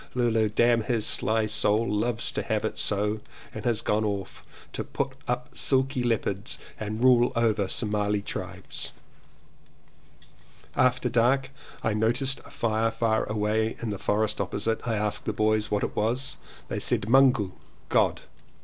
— Lulu, damn his sly soul! loves to have it so and has gone off to put up silky leopards and rule over Somali tribes." 262 LLEWELLYN POWYS After dark I noticed a fire far away in the forest opposite. I asked the boys what it was. They said "Mungu" (God).